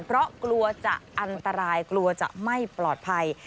เพราะกลัวจะอันตรายกลัวจะไม่ปลอดภัย